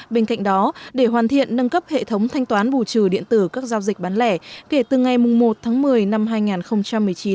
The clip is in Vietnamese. bên cạnh đó để hoàn thiện nâng cấp hệ thống thanh toán bù trừ điện tử các giao dịch bán lẻ kể từ ngày một tháng một mươi năm hai nghìn một mươi chín